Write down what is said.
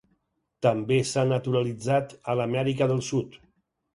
També s'ha naturalitzat a Amèrica del Sud.